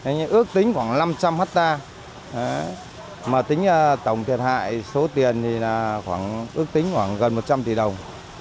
nghĩa là ước tính khoảng năm trăm linh hectare mà tính tổng thiệt hại số tiền thì ước tính khoảng gần một trăm linh tỷ đồng